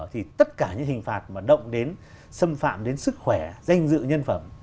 thì tất cả những hình phạt mà động đến xâm phạm đến sức khỏe danh dự nhân phẩm